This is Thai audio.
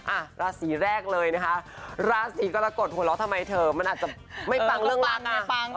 อ่ะราศีแรกเลยนะคะราศีกรกฎหัวเราะทำไมเธอมันอาจจะไม่ฟังเรื่องราวไม่ฟัง